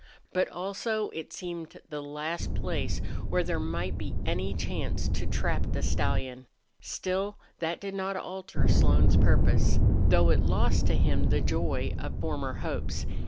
But also it seemed the last place where there might be any chance to trap the stallion. Still that did not alter Slone's purpose, though it lost to him the joy of former hopes.